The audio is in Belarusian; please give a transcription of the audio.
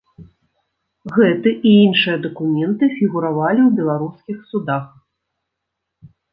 Гэты і іншыя дакументы фігуравалі ў беларускіх судах.